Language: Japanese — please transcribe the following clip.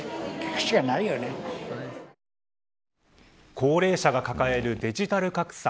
高齢者が抱えるデジタル格差。